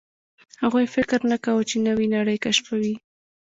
هغوی فکر نه کاوه، چې نوې نړۍ کشفوي.